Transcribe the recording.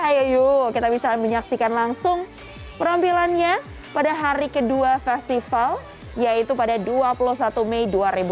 ayo yuk kita bisa menyaksikan langsung penampilannya pada hari kedua festival yaitu pada dua puluh satu mei dua ribu dua puluh